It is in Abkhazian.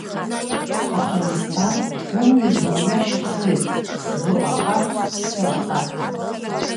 Аха избан умҩа зурҩашьахуеи, сгәы ахац, сыԥсы ахац?